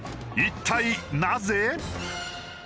一体なぜ？